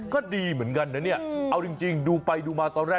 ก็ดีเหมือนกันนะเนี่ยเอาจริงดูไปดูมาตอนแรก